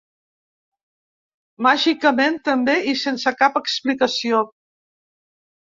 Màgicament, també, i sense cap explicació.